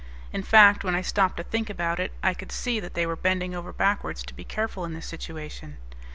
In fact, when I stopped to think about it, I could see that they were bending over backwards to be careful in this situation.